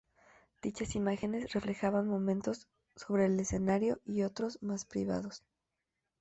Dichas imágenes reflejaban momentos sobre el escenario y otros más privados.